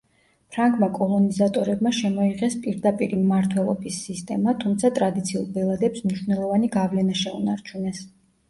ფრანგმა კოლონიზატორებმა შემოიღეს პირდაპირი მმართველობის სისტემა, თუმცა ტრადიციულ ბელადებს მნიშვნელოვანი გავლენა შეუნარჩუნეს.